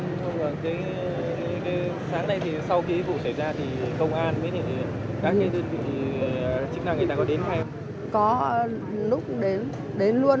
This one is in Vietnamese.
nhưng mà cái sáng nay thì sau cái vụ xảy ra thì công an với các nhân dân thì chức năng người ta có đến hay không